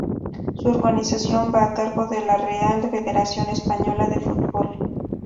Su organización va a cargo de la Real Federación Española de Fútbol.